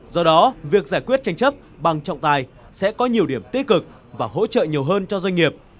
do đó việc giải quyết tranh chấp bằng trọng tài sẽ có nhiều điểm tích cực và hỗ trợ nhiều hơn cho doanh nghiệp